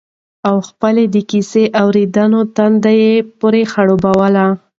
او خپل د کيسې اورېدنې تنده به يې پرې خړوبوله